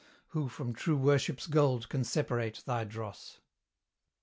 Who from true worship's gold can separate thy dross.